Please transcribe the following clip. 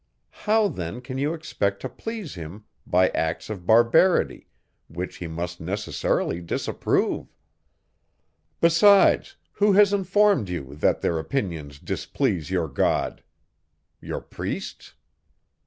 How then can you expect to please him by acts of barbarity, which he must necessarily disapprove? Besides, who has informed you, that their opinions displease your God? Your priests?